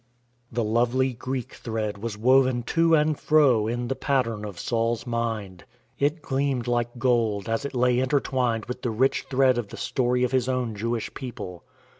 The lovely Greek thread was woven to and fro in the pattern of Saul's mind. It gleamed like gold, as it lay intertwined with the rich thread of the story of his own Jewish people.